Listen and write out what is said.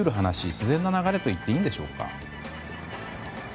自然な流れと言っていいんでしょうか。